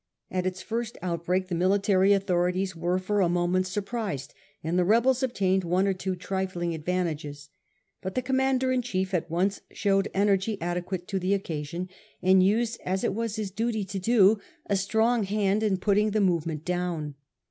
At its first outbreak the military autho rities were for a moment surprised, and the rebels obtained one or two trifling advantages. But the commander in chief at once showed energy adequate to the occasion, and used, as it was his duty to do, a strong hand in putting the movement down.